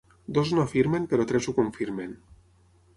Dos no afirmen, però tres ho confirmen.